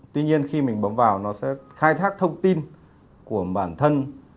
tuy nhiên khi mình bấm vào nó sẽ khai thác thông tin của bản thân